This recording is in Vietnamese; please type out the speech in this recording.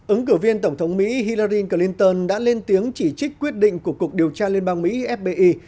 ứng cử viên tổng thống mỹ hiral clinton đã lên tiếng chỉ trích quyết định của cục điều tra liên bang mỹ fbi